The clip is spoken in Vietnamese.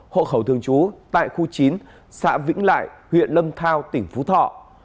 hộ khẩu thường trú tại khu chín xã vĩnh lại huyện lâm thao tỉnh phú thọ